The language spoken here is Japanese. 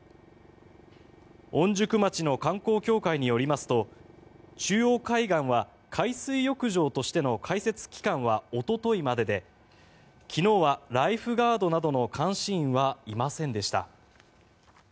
御宿町の観光協会によりますと中央海岸は海水浴場としての開設期間はおとといまでで昨日は、ライフガードなどの監視員はいませんでした。